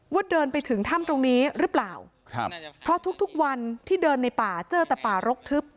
เดินไปถึงถ้ำตรงนี้หรือเปล่าครับเพราะทุกทุกวันที่เดินในป่าเจอแต่ป่ารกทึบ